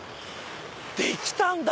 できたんだ！